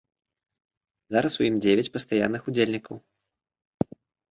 Зараз у ім дзевяць пастаянных удзельнікаў.